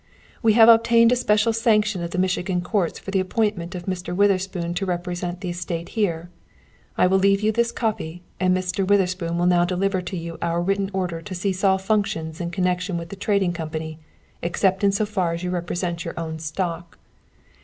"We have obtained a special sanction of the Michigan courts for the appointment of Mr. Witherspoon to represent the estate here. I will leave you this copy, and Mr. Witherspoon will now deliver to you our written order to cease all functions in connection with the Trading Company except in so far as you represent your own stock.